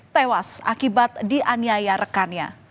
tewas akibat dianiaya rekannya